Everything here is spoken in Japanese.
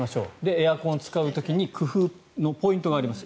エアコンを使う時に工夫のポイントがあります。